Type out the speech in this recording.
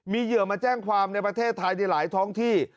มีเหยื่อมาแจ้งความในประเทศไทยในหลายท้องที่